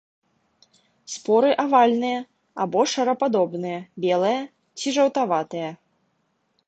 Споры авальныя або шарападобныя, белыя ці жаўтаватыя.